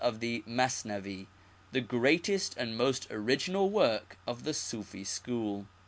of the Mesnewi, the greatest and most original work of the Sufi school.